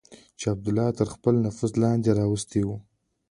چې عبیدالله تر خپل نفوذ لاندې راوستلي وو.